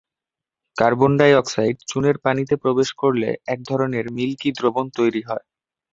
Carbon dioxide চুনের পানিতে প্রবেশ করলে এক ধরনের মিল্কি দ্রবণ তৈরি হয়।